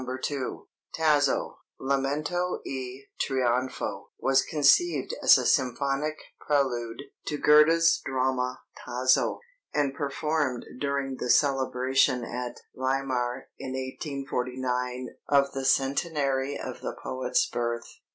2) Tasso: Lamento e Trionfo, was conceived as a "symphonic prelude" to Goethe's drama "Tasso," and performed during the celebration at Weimar in 1849 of the centenary of the poet's birth.